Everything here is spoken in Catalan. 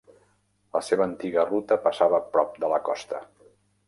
La seva antiga ruta passava prop de la costa.